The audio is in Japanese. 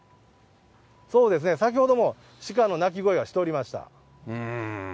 そうですね、先ほども鹿の鳴き声がしておりました。